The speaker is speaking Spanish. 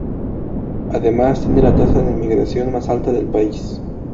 Además tiene la tasa de inmigración más alta del país.